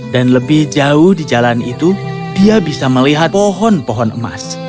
dan lebih jauh di jalan itu dia bisa melihat pohon pohon emas